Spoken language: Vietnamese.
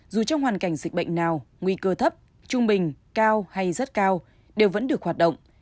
dù trong hoàn cảnh dịch bệnh nào nguy cơ thấp trung bình cao hay rất cao đều vẫn được hoạt động